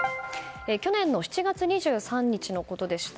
去年の７月２３日のことでした。